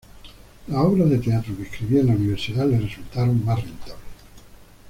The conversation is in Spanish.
Las obras de teatro que escribía en la universidad le resultaron más rentables.